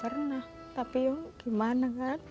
ya pernah tapi gimana lagi